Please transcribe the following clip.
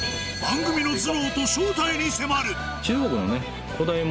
番組の頭脳と正体に迫る。